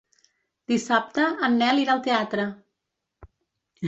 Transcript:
Dissabte en Nel irà al teatre.